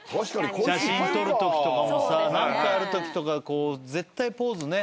写真撮るときとかもさ何かあるときとか絶対ポーズ。